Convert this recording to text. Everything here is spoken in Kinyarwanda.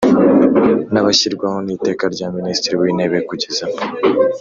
N abashyirwaho n iteka rya minisitiri w intebe kugeza